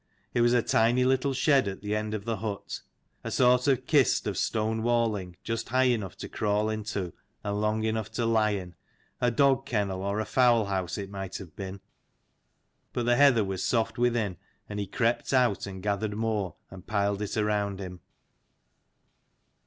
It was a little tiny shed at the end of the hut : a sort of kist of stone walling, just high enough to crawl into, and long enough to lie in : a dog kennel or fowl house it might have been. But the heather was soft within, and he crept out and gathered more, and piled it around him.